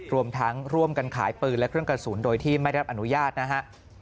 รวมทั้งร่วมกันขายปืนและเครื่องกระสุนโดยที่ไม่ได้รับอนุญาตนะฮะ